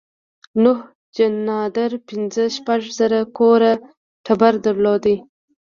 نوح جاندار پنځه شپږ زره کوره ټبر درلود.